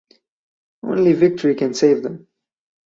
Only victory can save them.